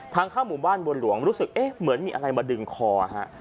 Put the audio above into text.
ทางเข้าหมู่บ้านบัวหลวงรู้สึกเอ๊ะเหมือนมีอะไรมาดึงคอฮะ